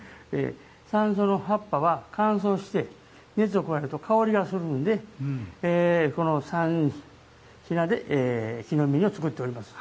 山椒の葉っぱは乾燥して、熱を加えると香りがするんで、この３品で木の芽煮を作っています。